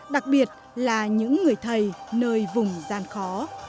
đặc biệt là những người thầy nơi vùng gian khó